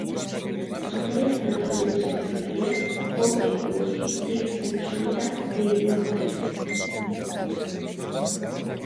სიმღერის თანაპროდიუსერები არიან პოლ ეპუორთი, რიკ სიმფსონი და დენიელ გრინი.